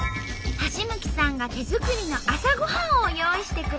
橋向さんが手作りの朝ごはんを用意してくれました。